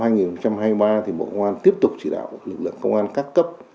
năm hai nghìn hai mươi ba bộ công an tiếp tục chỉ đạo lực lượng công an các cấp